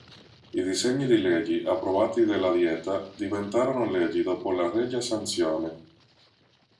I disegni di leggi, approvati dalla Dieta, diventarono leggi dopo la regia sanzione.